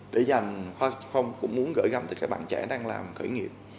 để dành khoa cũng muốn gửi găm tới các bạn trẻ đang làm kỹ nghiệp